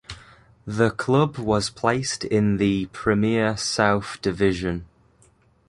The club was placed in the Premier South Division.